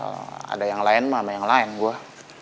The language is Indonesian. kalau ada yang lain mah sama yang lain gua